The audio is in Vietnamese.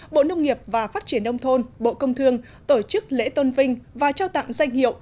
bộ nông nghiệp và phát triển nông thôn bộ công thương tổ chức lễ tôn vinh và trao tặng danh hiệu